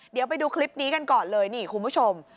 เดี๋ยวไปดูคลิปนี้กันก่อนเลยนี่คุณผู้ชม